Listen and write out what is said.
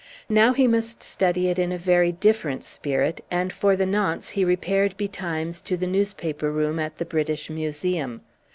Now he must study it in a very different spirit, and for the nonce he repaired betimes to the newspaper room at the British Museum.